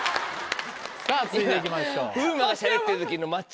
さぁ続いていきましょう。